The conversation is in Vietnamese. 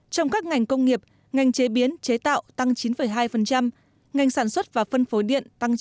trong các ngành công nghiệp ngành chế biến chế tạo tăng chín hai ngành sản xuất và phân phối điện tăng chín